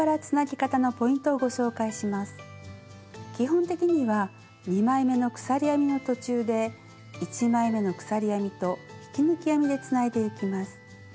基本的には２枚めの鎖編みの途中で１枚めの鎖編みと引き抜き編みでつないでいきます。